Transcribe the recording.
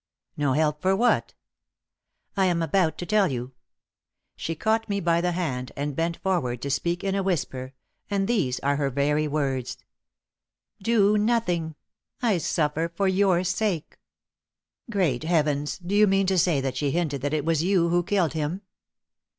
"No help for what?" "I am about to tell you. She caught me by the hand, and bent forward to speak in a whisper; and these are her very words: 'Do nothing; I suffer for your sake.'" "Great Heavens! Do you mean to say that she hinted that it was you who killed him?"